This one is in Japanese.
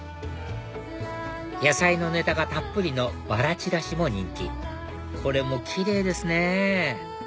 野菜のネタがたっぷりのばらちらしも人気これも奇麗ですね